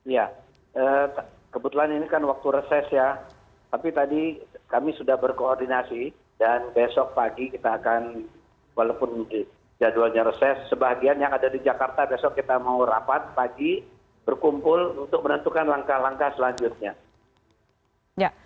ya kebetulan ini kan waktu reses ya tapi tadi kami sudah berkoordinasi dan besok pagi kita akan walaupun mungkin jadwalnya reses sebagian yang ada di jakarta besok kita mau rapat pagi berkumpul untuk menentukan langkah langkah selanjutnya